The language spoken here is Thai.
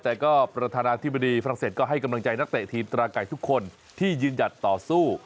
แต่ก็ประธานาธิบดีฝรั่งเศสก็ให้กำลังใจนักเตะทีมตราไก่ทุกคนที่ยืนหยัดต่อสู้